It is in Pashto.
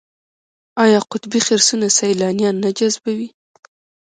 آیا قطبي خرسونه سیلانیان نه جذبوي؟